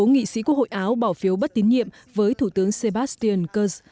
đa số nghị sĩ quốc hội áo bỏ phiếu bất tín nhiệm với thủ tướng sebastian kurz